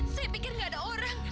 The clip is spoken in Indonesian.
saya pikir nggak ada orang